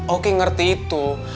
oki ngerti itu